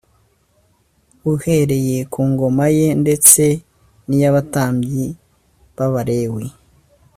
Uhereye ku ngoma ye ndetse niy’abatambyi b’ Abalewi